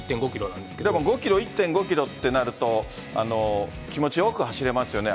なん５キロ、１．５キロってなると、気持ちよく走れますよね。